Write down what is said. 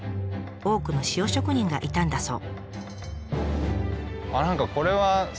多くの塩職人がいたんだそう。